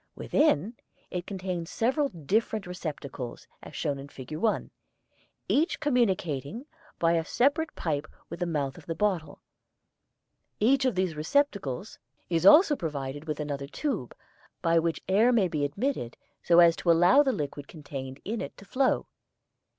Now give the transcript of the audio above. Within, it contains several different receptacles, as shown in Fig. 1, each communicating by a separate pipe with the mouth of the bottle. Each of these receptacles is also provided with another tube, by which air may be admitted so as to allow the liquid contained in it to flow.